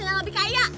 yang lebih kaya